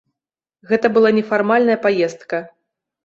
Гэта была нефармальная паездка.